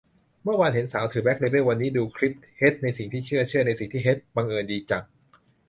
เมื่อวานเห็นสาวถือแบ็คเลเบิล วันนี้ดูคลิป "เฮ็ดในสิ่งที่เซื่อ เซื่อในสิ่งที่เฮ็ด" บังเอิญดีจัง